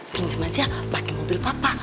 pinjaman siap pakai mobil papa